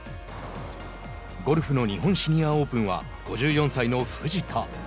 ゴルフの日本シニアオープンは５４歳の藤田。